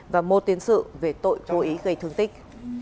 và một tiền sự về tội vô ý gây thương tích